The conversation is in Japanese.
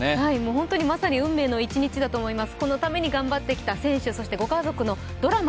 本当にまさに運命の一日だと思います。